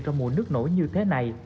trong mùa nước nổi như thế này